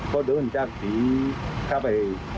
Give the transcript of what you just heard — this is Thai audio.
ก็เดินจากผีเข้าไป